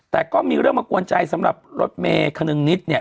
แต่ก็มีเรื่องมากวนใจสำหรับรถเมย์คนึงนิดเนี่ย